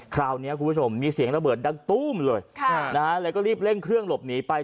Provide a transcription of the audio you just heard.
คราวนี้คุณผู้ชมมีเสียงระเบิดดังตู้มเลยแล้วก็รีบเร่งเครื่องหลบหนีไป